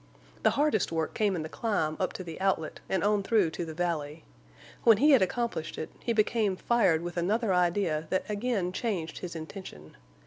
The hardest work came in the climb up to the outlet and on through to the valley. When he had accomplished it, he became fired with another idea that again changed his intention.